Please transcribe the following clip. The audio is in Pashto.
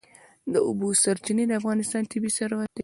د اوبو سرچینې د افغانستان طبعي ثروت دی.